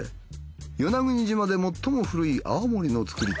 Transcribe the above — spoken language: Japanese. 与那国島で最も古い泡盛のつくり手